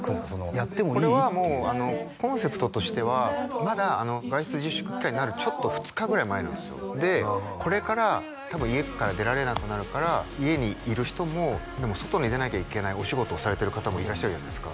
「やってもいい？」っていうこれはもうコンセプトとしてはまだ外出自粛期間になる２日ぐらい前なんですよでこれから多分家から出られなくなるから家にいる人もでも外に出なきゃいけないお仕事をされてる方もいらっしゃるじゃないですか